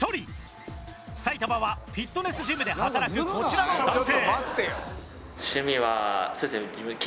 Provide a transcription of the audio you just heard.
埼玉はフィットネスジムで働くこちらの男性。